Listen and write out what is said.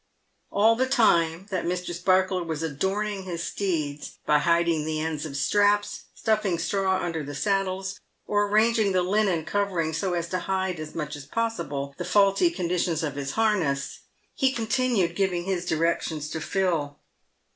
All the time that Mr. Sparkler was adorning his steeds, by hiding the ends of straps, stuffing straw under the saddles, or arranging the linen covering so as to hide, as much as possible, the faulty condition of his harness, he continued giving his directions to Phil.